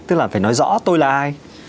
tức là phải nói rõ tôi là ai